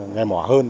nghề mỏ hơn